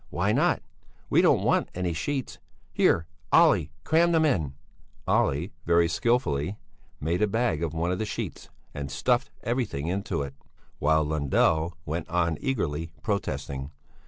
Why not? We don't want any sheets! Here, Olle, cram them in!" Olle very skilfully made a bag of one of the sheets and stuffed everything into it, while Lundell went on eagerly protesting.